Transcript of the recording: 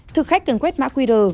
thực khách cần quét mã qr